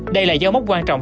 đây là dấu mốc quan trọng